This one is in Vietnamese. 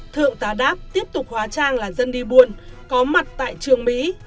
thượng tá đáp tiếp tục hóa trang là dân đi buôn có mặt tại trường mỹ